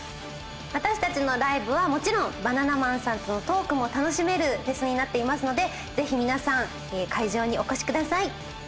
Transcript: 私たちのライブはもちろんバナナマンさんとのトークも楽しめるフェスになっていますのでぜひ皆さん会場にお越しください。